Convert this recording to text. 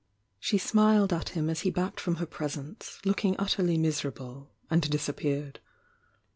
She smiled at him as he backed from her pres ence, looking utterly miserable, and disappeared.